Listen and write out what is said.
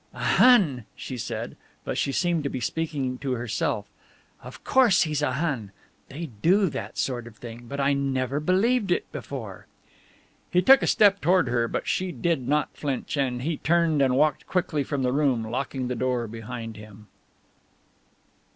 "A Hun," she said, but she seemed to be speaking to herself, "of course he's a Hun. They do that sort of thing, but I never believed it before." He took a step toward her, but she did not flinch, and he turned and walked quickly from the room, locking the door behind him.